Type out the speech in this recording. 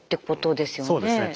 そうですね。